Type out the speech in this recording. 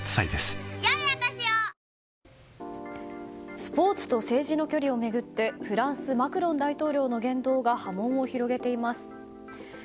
スポーツと政治の距離を巡ってフランス、マクロン大統領の言動が波紋を広げています。